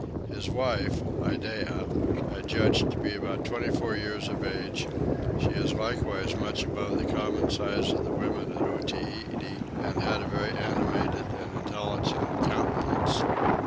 His wife (Iddeah) I judged to be about twenty four years of age: she is likewise much above the common size of the women at Otaheite and has a very animated and intelligent countenance.